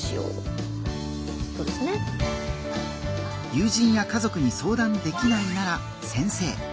友人や家族に相談できないなら先生。